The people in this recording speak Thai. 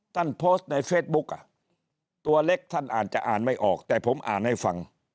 ท่านโพสต์ในเฟซบุ๊กอ่ะตัวเล็กท่านอาจจะอ่านไม่ออกแต่ผมอ่านให้ฟัง